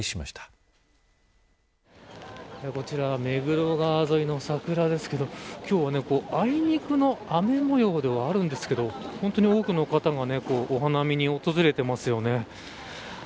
こちらは目黒川沿いの桜ですけど今日は、あいにくの雨模様ではあるんですけど本当に多くの方がお花見に訪れてますよね。